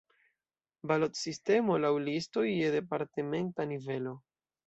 Balotsistemo laŭ listoj je departementa nivelo.